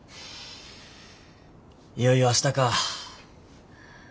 いよいよ明日か。